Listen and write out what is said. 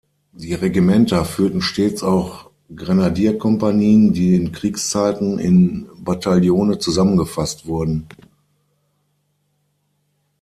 Die Regimenter führten stets auch Grenadierkompanien, die in Kriegszeiten in Bataillone zusammengefasst wurden.